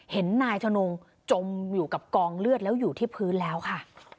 เห็นนายชนงจมอยู่กับกองเลือดแล้วอยู่ที่พื้นแล้วค่ะ